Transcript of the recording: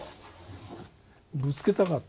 ぶつけたかった。